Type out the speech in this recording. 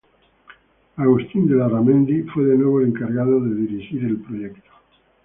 Agustín de Larramendi fue de nuevo el encargado de dirigir el proyecto.